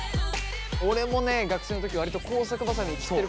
俺もね学生の時割と工作ばさみで切ってること多かった。